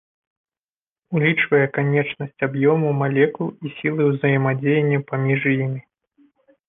Улічвае канечнасць аб'ёму малекул і сілы ўзаемадзеяння паміж імі.